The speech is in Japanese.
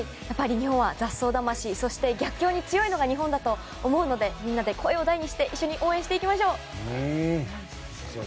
日本は雑草魂そして、逆境に強いのが日本だと思うのでみんなで声を大にして応援していきましょう。